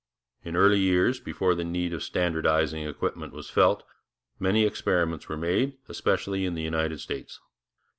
In early years, before the need of standardizing equipment was felt, many experiments were made, especially in the United States.